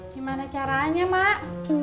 gimana caranya mak